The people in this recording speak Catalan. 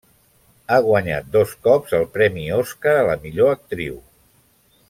Ha guanyat dos cops el Premi Oscar a la millor actriu.